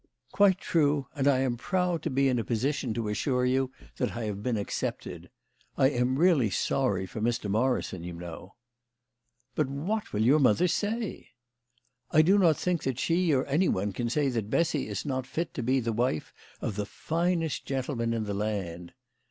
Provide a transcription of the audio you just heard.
" Quite true, and I am proud to be in a position to 132 THE LADY OF LATJNAY. assure you that I have been accepted. I am really sorry for Mr. Morrison, you know." " But what will your mother say ?"" I do not think that she or anyone can say that Eessy is not fit to be the wife of the finest gentleman in the land."